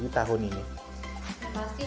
bisa terus ada di industri musik ini